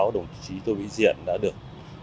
đồng chí tô vĩnh diện đã được